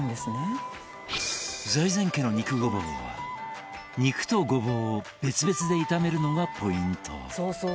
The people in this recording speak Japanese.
財前家の肉ゴボウは肉とゴボウを別々で炒めるのがポイント。